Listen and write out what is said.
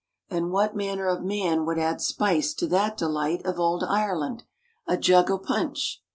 And what manner of man would add spice to that delight of old Ireland, "a jug o' punch?"